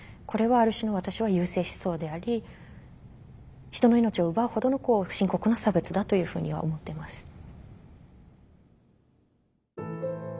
これはある種の私は優生思想であり人の命を奪うほどの深刻な差別だというふうには思ってます。